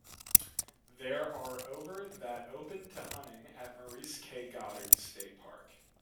There are over that open to hunting at Maurice K. Goddard State Park.